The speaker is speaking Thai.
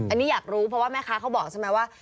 อันนี้อยากรู้เพราะว่าแม่ค้าเขาบอกใช่ไหมว่า